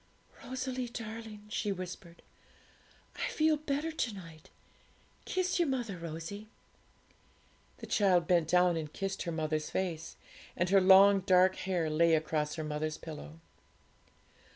'Rosalie darling,' she whispered, 'I feel better to night. Kiss your mother, Rosie.' The child bent down and kissed her mother's face, and her long dark hair lay across her mother's pillow.